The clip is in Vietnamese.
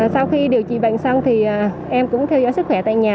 sau khi điều trị bệnh xong thì em cũng theo dõi sức khỏe tại nhà